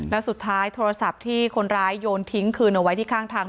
แล้วสุดท้ายโทรศัพท์ที่คนร้ายโยนทิ้งคืนเอาไว้ที่ข้างทาง